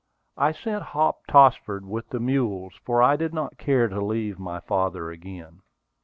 I sent Hop Tossford with the mules, for I did not care to leave my father again.